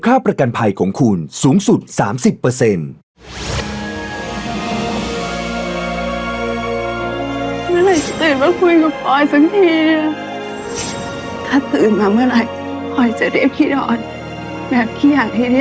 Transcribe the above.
ลูกมึงก็ต้องเจ็บด้วย